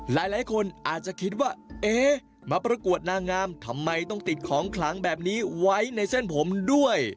หลายคนอาจจะคิดว่าเอ๊ะมาประกวดนางงามทำไมต้องติดของขลังแบบนี้ไว้ในเส้นผมด้วย